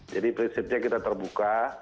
jadi prinsipnya kita terbuka